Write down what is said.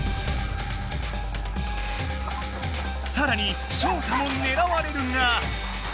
さらにショウタもねらわれるが。